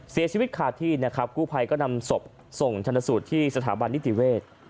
เสียชีวิตขาดที่นะครับกู้ภัยก็นำศพส่งชนสูตรที่สถาบันนิติเวศ